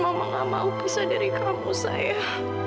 mama gak mau bisa dari kamu sayang